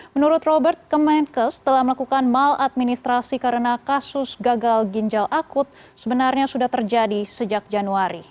menurut robert kemenkes telah melakukan maladministrasi karena kasus gagal ginjal akut sebenarnya sudah terjadi sejak januari